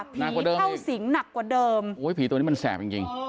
ผีเท่าสิงห์นักกว่าเดิมโอ๊ยผีตัวนี้มันแสบจริง